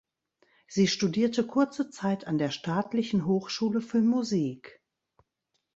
Sie studierte kurze Zeit an der Staatlichen Hochschule für Musik.